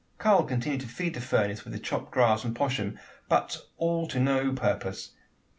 Karl continued to feed the furnace with the chopped grass and poshm, but all to no purpose.